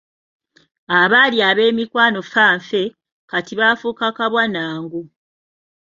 Abaali ab’emikwano fanfe, kati baafuuka kabwa na ngo.